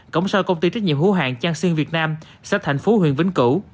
cổng sau công ty trách nhiệm hữu hạng trang xuyên việt nam sách tp huyền vĩnh cửu